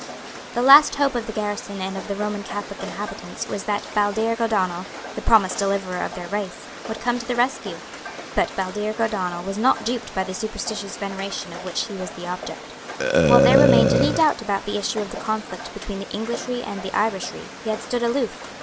The last hope of the garrison and of the Roman Catholic inhabitants was that Baldearg O'Donnel, the promised deliverer of their race, would come to the rescue. But Baldearg O'Donnel was not duped by the superstitious veneration of which he was the object. While there remained any doubt about the issue of the conflict between the Englishry and the Irishry, he had stood aloof.